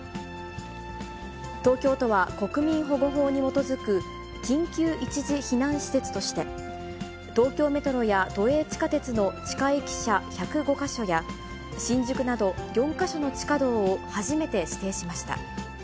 東京都は、国民保護法に基づく緊急一時避難施設として、東京メトロや都営地下鉄の地下駅舎１０５か所や、新宿など４か所の地下道を初めて指定しました。